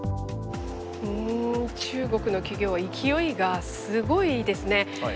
中国の企業は勢いがすごいですね。